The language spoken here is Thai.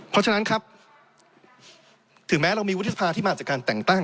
พวกมันครับถึงแมดูมีวุฒิสภาพี่มากจากการแต่งตั้ง